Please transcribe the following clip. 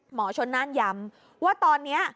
หมอชนน่านย้ำว่าตอนนี้